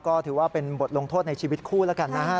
ก็ถือว่าเป็นบทลงโทษในชีวิตคู่แล้วกันนะฮะ